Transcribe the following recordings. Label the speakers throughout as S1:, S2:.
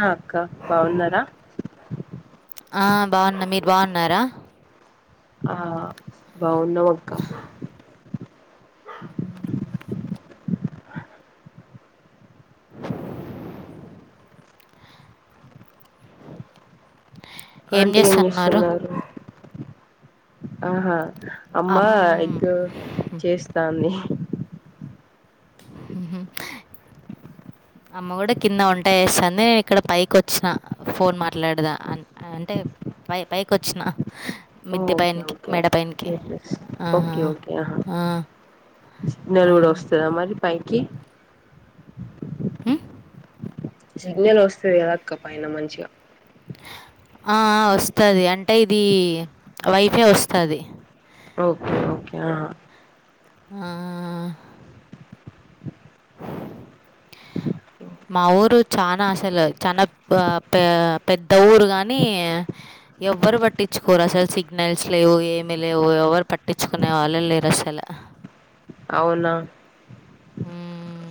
S1: ఆ అక్క బాగున్నారా
S2: ఆ బాగున్న మీరు బాగున్నారా
S1: ఆ బావున్నాం అక్క
S2: హుము
S1: అంటే ఏం చేస్తున్నారు ఆహా అమ్మ
S2: అమ్
S1: ఎగ్ చేస్తాంది
S2: ఉహు [inaudible] అమ్మ కూడా కింద వంట చేస్తా ఉంది నేను ఇక్కడ పైకి వచ్చిన ఫోన్ మాట్లాడదాం అని అంటే పై పైకి వచ్చిన
S1: ఓ
S2: మిద్ద్య
S1: ఓకే
S2: పైనకి
S1: ఓకే
S2: మెడ పైనకి
S1: ఓకే ఓకే ఆహా సిగ్నల్
S2: ఆ!
S1: కూడా వస్తాధ మరి పైకి
S2: హ్మ్మ్
S1: సిగ్నల్ వస్తాది కదా అక్క పైన మంచిగా
S2: ఆ ఆ వస్తాది అంటే ఇది వైపే వస్తాది
S1: ఓకే ఓకే ఆ హా
S2: ఆ మా ఊరు చనా అసలు చాలా పె పెద్ద ఊరు గాని ఎవరు పట్టించుకోరు అసలు సిగ్నల్స్ లేవు ఏమి లేవు ఎవరు పట్టించుకునే వాల్లే లేరు అసలు
S1: అవున
S2: హ్మ్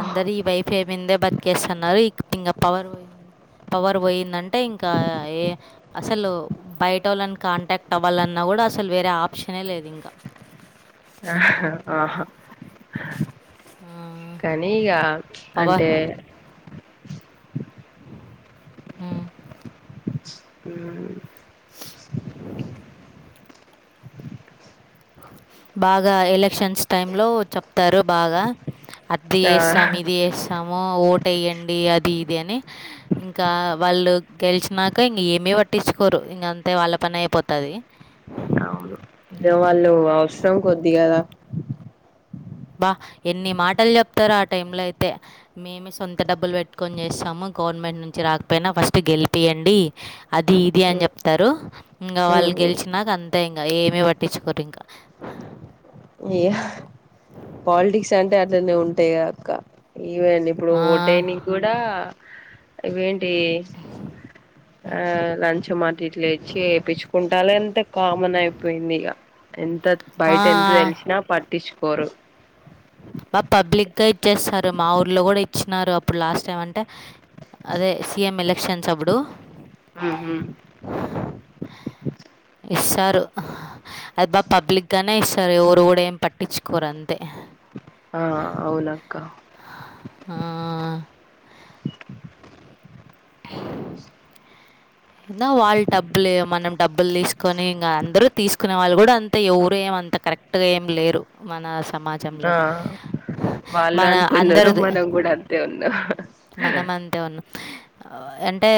S2: అందరి ఈ వై పేమిందే బతికేస్తున్నారు. ఇ ఇంగ పవర్ పోయింది పవర్ పోయిందంటే ఇంకా ఏ అసలు బయట వోళ్ళని కాంటాక్ట్ అవ్వాలన్నా కూడా అసలు వేరే ఆప్షనే లేదు ఇంకా
S1: ఆహా కానీ ఇగా
S2: పవర్
S1: అంటే
S2: హ్
S1: హ్
S2: [inaudible] బాగా ఎలక్షన్స్ టైం లో చెప్తారు బాగా అది
S1: ఆ
S2: చేస్తాము ఇది చేస్తాము ఓటేయండి అది ఇది అని ఇంకా వాళ్ళు గెలిచినాక ఇంక ఏమి పట్టించుకోరు. ఇంక అంతే వాళ్ళ పని అయిపోతది అ
S1: దా వాళ్ళు అవసరం కొద్ది కదా
S2: అబ్బా ఎన్ని మాటలు చెప్తారు ఆ టైమ్ లో అయితే మేమే సొంత డబ్బులు పెట్టుకొని చేస్తాము. గవర్నమెంట్ నుంచి రాకపోయినా ఫస్ట్ గెలిపియండి. అది ఇది అని
S1: మ్
S2: చెప్తారు. ఇంకా
S1: మ్
S2: వాళ్ళు
S1: మ్
S2: గెలిచినాక అంతా ఇంకా ఏమి పట్టించుకోరు ఇంకా
S1: ఇహ పాలిటిక్స్ అంటే అట్లానే ఉంటాయి అక్క ఈవెన్ ఇప్పుడు ఓటేయానికి కూడా ఇవేంటి ఆ లంచం అటు ఇటు చేపించుకుంటలే అంత కామన్ అయిపోయింది. ఇగా అంతే బయట ఎంత తెలిసినా పట్టించుకోరు
S2: బా పబ్లిక్ గా ఇచ్చేస్తారు. మా ఊర్లో కూడా ఇచ్చినారు. అప్పుడు లాస్ట్ టైం అంటే అదే సీఎం ఎలక్షన్స్ అప్పుడు
S1: హ్
S2: ఇస్తారు ఆ అది బాగా పబ్లిక్ గానే ఇస్తారు. ఎవరు కూడా ఏం పట్టించుకోరు అంతే
S1: ఆ అవును ఆక్క
S2: [inaudible] ఏందో వాళ్ళు డబ్బులు మనం డబ్బులు తీసుకొని ఇంకా అందరూ తీసుకునే వాళ్ళు కూడా అంతే ఎవరూ ఏమో అంత కరెక్ట్ అటుగా ఏం లేరు మన సమాజంలో
S1: ఆ వాళ్ళు
S2: మన
S1: అంతున్నారు
S2: అందరిది
S1: మనం కూడా అంతే ఉన్నాం
S2: మనం అంతే ఉన్నాం అంటే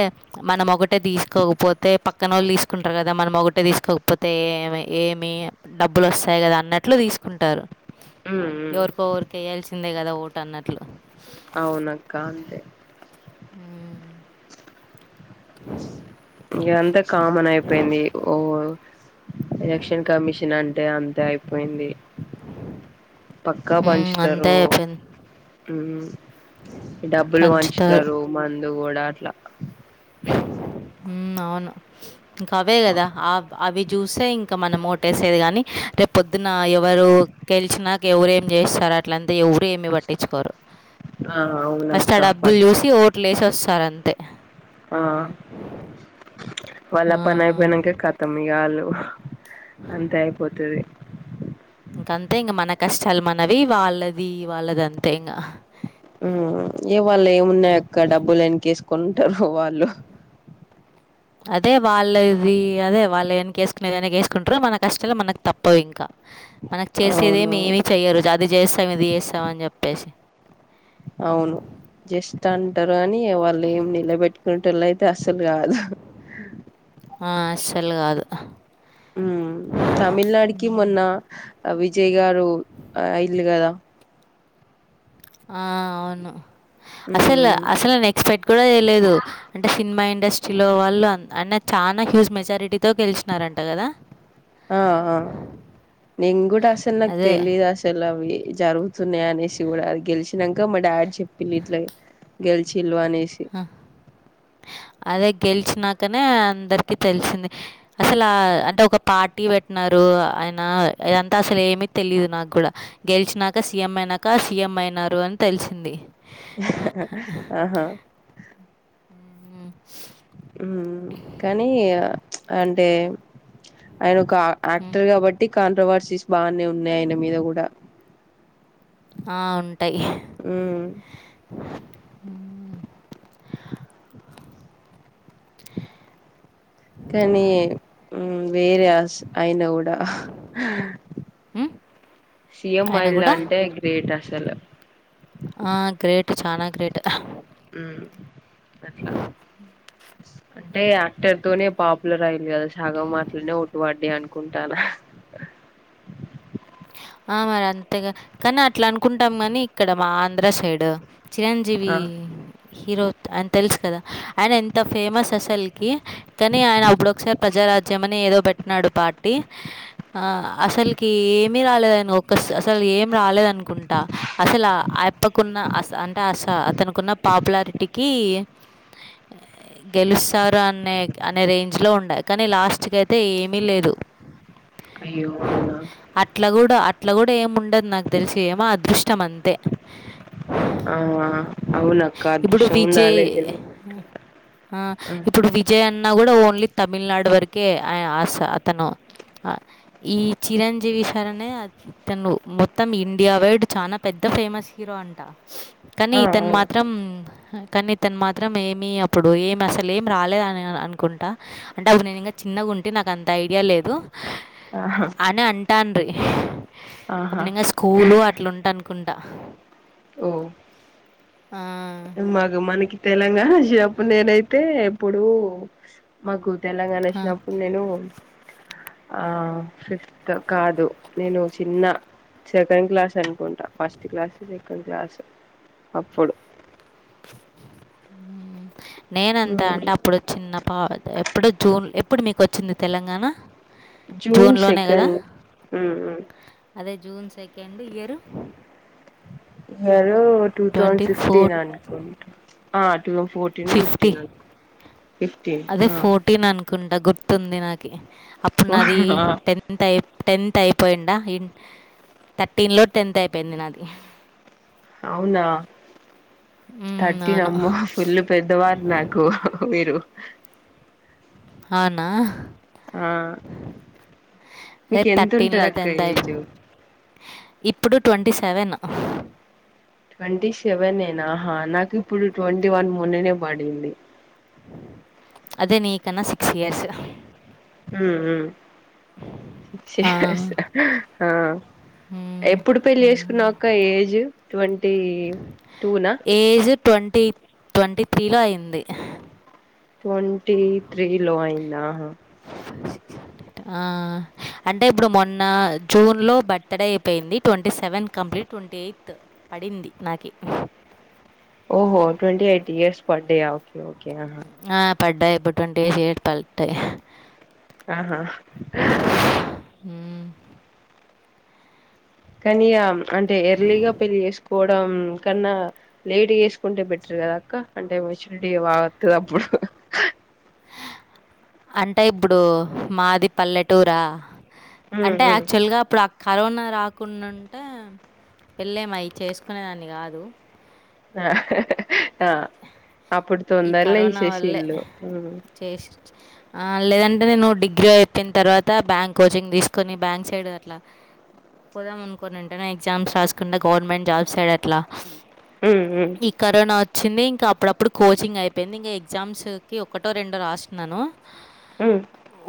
S2: మనం ఒకటి ఒకటె తీసుకోకపోతే పక్కన వోళ్ళు తీసుకుంటారు. కదా మనం ఒకటే తీసుకోకపోతే ఏమి ఏమి డబ్బులు వస్తాయి కదా అన్నట్లు తీసుకుంటారు.
S1: ఉమ్ ఉమ్
S2: ఎవరికోవరికో ఒకరికి వేయాల్సిందే కదా ఓటు అన్నట్లు
S1: అవును ఆక్క అంతే
S2: ఉమ్
S1: ఇగా అంతా కామన్ అయిపోయింది. ఓ ఎలక్షన్ కమిషన్ అంటే అంతే అయిపోయింది. పక్కా
S2: ఉమ్, అంతే
S1: పంచుతారు
S2: అయిపోయింది
S1: మ్ డబ్బులు పంచుతారు మందు కూడా అట్లా
S2: మ్ అవును ఇంకా అవే కదా అవి చూసే ఇంకా మనం ఓటేసేది కాని రేపు పొద్దున ఎవరు గెలిచినాక ఎవరి ఏం చేస్తారు అట్లంత ఎవరు ఏమి పట్టించుకోరు
S1: ఆ అవును
S2: ఫస్ట్ ఆ డబ్బు చూసి ఓట్లేసి వస్తారు అంతే
S1: ఆ వాళ్ళ పని
S2: ఆ.
S1: అయిపోయినంక కతం ఇగాళ్ళు అంతే అయిపోతది
S2: ఇంక అంతే ఇంగ మన కష్టాలు మనవి వాళ్ళది వాళ్ళది అంతే ఇంగ
S1: మ్ ఏ వాళ్ళయి ఏమున్నాయక్క డబ్బులేనకేసుకుంటారు వాళ్ళు
S2: అదే వాళ్ళది అదే వాళ్ళు వేనకేసుకునేది వేనకేసుకుంటరు మన కష్టాలు మనకు తప్పవు ఇంకా మనకు
S1: అవును
S2: చేసేదేమే ఏమి చెయ్యరు అది చేస్తాం ఇది చేస్తామని చెప్పేసి
S1: అవును జస్ట్ అంటారు అని వాళ్ళు ఏం నిలబెట్టుకునే టోళ్ళు అయితే అసలు కాదు
S2: ఆ అసలు కాదు
S1: మ్ తమిళనాడుకి మొన్న విజయ్ గారు అయిలు కదా
S2: ఆ అవును అసలు
S1: మ్మ్
S2: అసలు నిను ఎక్స్పెక్ట్ కూడా చేయలేదు అంటే సినిమా ఇండస్ట్రీలో వాళ్ళు అన్న చానా హ్యూజ్ మెజారిటీతో గెలిచినారంట కదా
S1: ఆ ఆ నేను కూడా అసలు నాకు
S2: అదే
S1: తెలీదు అసలు అవి జరుగుతున్నాయి అనేసి కూడా అది గెలిచిన కా మా డాడీ చెపిన్లు ఇట్లా గెలిచిళ్ళు అనేసి
S2: ఆ అదే గెలిచినాకనే అందరికి తెలిసింది అసలు ఆ అంటే ఒక పార్టీ పెట్టినారు ఆయన ఇదంతా అసలు ఏమిీ తెలియదు నాకు కూడా గెలిచినాక సీఎం అయినాక సీఎం అయినారు అని తెలిసింది
S1: ఆహా
S2: మ్
S1: మ్ కానీ అంటే ఆయన ఒక
S2: ఉమ్,
S1: యాక్టర్ కాబ టి కాంట్రవర్సీస్ బానే ఉన్నాయి ఆయన మీద కూడా
S2: ఆ ఉంటాయి
S1: మ్ కానీ మ్ వేరే అస్ అయినే కూడా
S2: ఉమ్, ఆయన
S1: సిఎంఅయిల్
S2: కూడా
S1: అంటే గ్రేట్ అసలు
S2: ఆ గ్రేట్ చనా గ్రేట్
S1: మ్ అట్లా అంటే యాక్టర్ తోనే పాపులర్ అయిర్రు కదా సాగమట్లనే ఒట్టు పడ్డి అనుకుంటాన
S2: అ మరి అంతేగా కానీ అట్లా అనుకుంటాం కాని ఇక్కడ మా ఆంధ్ర సైడ్ చిరంజీవి హీరో అయన తెలుసు కదా ఆయన ఎ ఏంత ఫేమస్ అసలుకి కానీ ఆయన అప్పుడు ఒకసారి ప్రజారాజ్యం అని ఏదో పెట్టినాడు పాట్ టి ఆ అసలుకి ఏమి రాలేదని ఒక అసలు ఏమి రాలేదనుకుంటా అసలు అ యప్పకున్న అంటే అస అతనికున్న పాపులారిటీకి గెలుస్తారనే అనే రేంజ్ లో ఉండే కానీ లాస్ట్కి అయితే ఏమీ లేదు
S1: అయ్యో అవునా
S2: అట్ల కూడా అట్ల కూడా ఏముండదు నాకు తెలిసి ఏమో అదృష్టం అంతే
S1: ఆ అవునక్క
S2: ఇప్పుడు
S1: అదృష్టం ఉండాల
S2: విజయ్
S1: గని
S2: ఆ ఇప్పుడు వి విజయ్ అన్న కూడా ఓన్లీ తమిళనాడు వరకే అస అతను ఆ ఈ చిరం జీవిసారనే తను మొత్తం ఇండియా వైడ్ చాలా పెద్ద ఫేమస్ హీరో అంట కానీ
S1: ఆ
S2: ఇతను
S1: ఆ
S2: మాత్రం కానీతను మాత్రం ఏమీ అప్పుడు ఏమి అసలు ఏం రాలే అని అనుకుంటా అంటే అప్పుడు నేను ఇంకా చిన్నగా ఉంటే నాకు అంత ఐడియా లేదు
S1: ఆహా
S2: అని అంటాంది
S1: ఆహా
S2: అప్పుడు ఇంకా స్కూలు అట్ల ఉంటా అనుకుంటా
S1: ఓ
S2: ఆ
S1: మాకు మనకి తెలంగాణ చెపు నేనైతే ఇప్పుడు మాకు తెలంగాణ
S2: ఆ!
S1: ఇచ్చినప్పుడు నేను ఆ ఫిఫ్త్ కాదు నేను చిన్న సెకండ్ క్లాస్ అనుకుంటా ఫస్ట్ క్లాసో సెకండ్ క్లాస్ అప్పుడు
S2: నేనంతా అంటే అప్పుడు చిన్న పా ఎప్పుడు జూన్ ఎప్పుడు మీకు వచ్చింది తెలంగాణ జూన్ లోనే కదా అదే June second year
S1: two thousand
S2: twenty
S1: fifteen
S2: four
S1: అనుకుంటూ ఆ two fourteen ten
S2: fifty
S1: fifteen హా ఫిఫ్టీన్ హా
S2: కుండా గుర్తుంది నాకి అప్పుడు
S1: ఫో
S2: నాది
S1: ఆ
S2: టెన్త్ టె టెన్త్ అయిపోయిండా ఇ థర్టీన్లో టెన్త్ అయిపోయింది నాది
S1: అవునా
S2: అవును
S1: థర్టీనమ్మో ఫుల్ పెద్దవారు నాకు మీరు
S2: అవునా
S1: ఆ
S2: అదే
S1: మీకు ఎంత ఉంటది
S2: థర్టీన్లో
S1: అక్క
S2: టెన్త్ అయిపో
S1: ఏజు
S2: ఇప్పుడు ట్వంటీ సెవెన్
S1: ట్వంటీ సెవెనేన ఆహా నాకు ఇప్పుడు ట్వంటీ వన్ మొన్ననే పడింది
S2: అదే నీకన్నా సిక్స్ ఇయర్స్
S1: హ్మ్ మ్మ్ సిక్స్ ఇయర్స్ ఆ
S2: హ్మ్
S1: ఎప్పుడు పెళ్లి
S2: హ్మ్.
S1: చేసుకున్నావక్క ఏజ్ ట్వంటీ టూ నా
S2: ఏజు ట్వంటీ ట్వంటీ త్రీ లో అయింది
S1: ట్వంటీ త్రీ లో అయింద
S2: ఆ అంటే ఇప్పుడు మొన్న జూన్ లో బర్త్డే అయిపోయింది twenty seven complete twenty eighth పడింది నాకి
S1: ఓహో ట్వంటీ ఎయిట్ ఇయర్స్ పడ్డయా ఓకే ఓకే
S2: ఆ! పడ్డాయి ఇప్పుడు ట్వంటీ ఎయిట్ ఇయర్స్ తలుత్తాయి
S1: ఆహా
S2: హ్మ్
S1: కళ్యాణ్ అంటే ఎర్లీగా పెళ్ చేసుకో కన్నా లేటు చేసుకుంటే బెటర్ కదాక్క అంటే మెచ్యూరిటీ బాగత్తది అప్పుడు
S2: అంటే ఇప్పుడు మాది పల్లెటూరా
S1: హ్మ్
S2: అంటే
S1: హ్మ్
S2: యాక్చువల్గా అప్పుడు అ కరోనా రాకుండా ఉంటే పెళ్ళేమయి చేసుకునేదాన్ని కాదు
S1: ఆ అప్పుడు
S2: ఈ
S1: తొందారల
S2: కరోనా వల్లే
S1: ఏసేశిల్లు
S2: చేసి లేదంటే నేను డిగ్రీ అయిపోయిన తర్వాత బ్యాంక్ కోచింగ్ తీసుకొని బ్యాంక్ సైడ్ అట్లా పోదామ అనుకునింటేనే ఎగ్జామ్స్ రాసుకుంట గవర్నమెంట్ జాబ్స్ సైడ్ అట్లా
S1: ఉ
S2: ఈ కరోనా వచ్చింది ఇంకా అప్పుడప్పుడు కోచింగ్ అయిపోయింది ఇంకా ఎగ్జామ్స్కి ఒకటో రెండో రాస్తున్నాను
S1: ఉ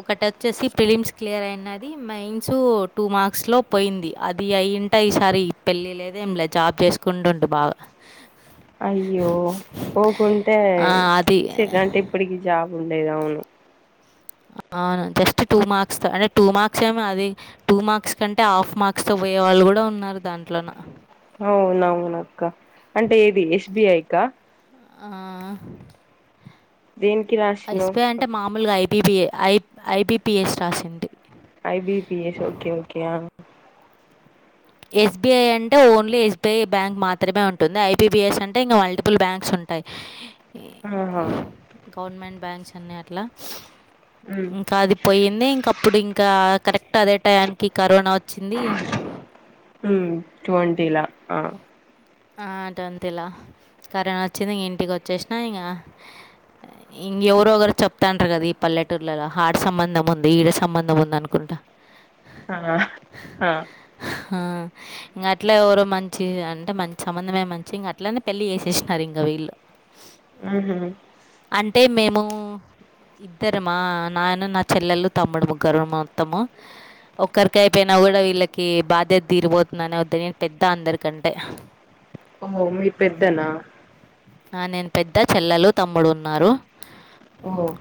S2: ఒకటి వచ్చేసి ప్రిలిమ్స్ క్లియర్ అయినది మైన్స్ టూ మార్క్స్ లో పోయింది అది అయింటే ఈసారి పెళ్ళి లేదే ఏం లేదు జాబ్ చేసుకుంటుండు బాగా
S1: అయ్యో పోకుంటే
S2: అది
S1: సట్ అంటే ఇప్పటికి జాబ్ ఉండేది అవును
S2: అవును జస్ట్ టూ మార్క్స్ అంటే టూ మార్క్స్ ఏమో అది టూ మార్క్స్ కంటే హాఫ్ మార్క్స్ తో పోయే వాళ్ళు కూడా ఉన్నారు దాంట్లోన
S1: అవునవునక్క అంటే ఏది ఎస్బిఐకా
S2: ఆ
S1: దేనికి రా
S2: ఎస్బఐ అంటే మామూలుగా ఐబిబిఐ ఐబిపీఎస్ రాసింది
S1: ఐబిపిఎస్ ఓకే ఓకే
S2: ఎస్బీఐ అంటే ఓన్లీ ఎస్బీఐ బ్యాంక్ మాత్రమే ఉంటుంది ఐబిబిఎస్ అంటే ఇంకా మల్టిపుల్ బ్యాంక్స్ ఉంటాయి
S1: ఆహా
S2: గవర్నమెంట్ బ్యాంక్స్ అన్నీ అట్లా
S1: హ్మ్
S2: ఇంకా అది పోయింది ఇంక అప్పుడు ఇంకా కరెక్ట్ అదే టయానికి కరోనా వచ్చింది
S1: ట్వంటీలా
S2: ఆ ట్వంటీల కరోనా వచ్చింది ఇంక ఇంటికి వచ్చేసినా ఇంకా ఇంకెవరు ఒకరు చెప్తంటారు కదా ఈ పల్లెటూర్లలో హాడ్ సంబంధం ఉంది ఈడ సంబంధం ఉంది అనుకుంటా
S1: ఆ ఆ
S2: ఆ ఇంకా అట్లా ఎవరో మంచి అంటే మంచి సంబంధమే మంచి ఇంక అట్లనే పెళ్లి చేసేసినారు ఇంకా వీళ్ళు
S1: ఆహ
S2: అంటే మేము ఇద్దరమ నాయన నా చెల్లెలు తమ్ముడు ముగరు మొత్తము ఒక్కరికి అయిపోయినా కూడా వీళ్ళకి బాధ్యత తీరిపోతుందని వద్ద్ద నేను పెద్ద అందరికంటే
S1: ఓహో మీరు పెద్దనా
S2: ఆ నేను పెద్ద చెల్లలు తమ్ముడు ఉన్నారు
S1: ఓ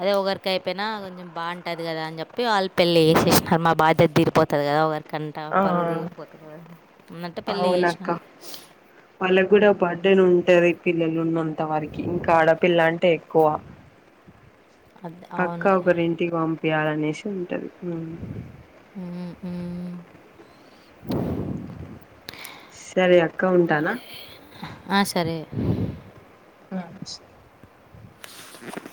S2: అదే ఒగరికి అయిపోయినా కొంచెం బాగుంటది కదా అని చెప్పి వాళ్ళ పెళ్లి చేసేసినారు మా బాధ్యత తిరిపోతాది కదా ఒక కంట
S1: ఆ
S2: బరువు తీరిపోతది కదా అన్నట్టే పెళ్ళి
S1: అవునక్క
S2: చేసినారు
S1: ఉంటాది పిల్లలున్న అంత వారికి ఇంకా ఆడపిల్ల అంటే ఎక్కువ
S2: అది
S1: పక్క
S2: అవును
S1: ఒకరి ఇంటికి పంపియాలనేసి ఉంటది అ
S2: ఉహు.
S1: సరే అక్క ఉంటానా.
S2: ఆ సరే.
S1: ఆ
S2: స